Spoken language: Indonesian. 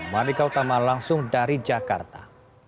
mardika utama langsung dari jakarta